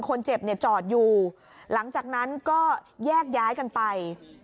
คนเจ็บเนี่ยจอดอยู่หลังจากนั้นก็แยกย้ายกันไป